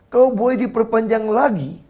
kalau boleh diperpanjang lagi